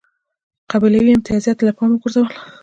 قبیلوي امتیازات یې له پامه وغورځول.